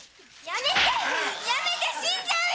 やめてー！